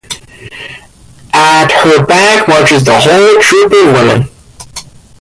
At her back marches the whole troop of women.